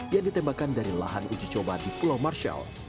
yang ditembakkan dari lahan uji coba di pulau marshall